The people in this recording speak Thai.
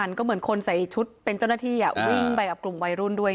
ก็เหมือนคนใส่ชุดเป็นเจ้าหน้าที่วิ่งไปกับกลุ่มวัยรุ่นด้วย